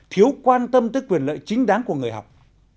thiếu quan tâm tới quyền lợi chính đáng của người học